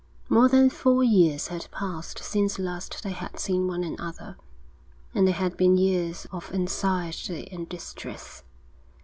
More than four years had passed since last they had seen one another, and they had been years of anxiety and distress.